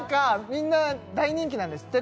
みんな大人気なんですって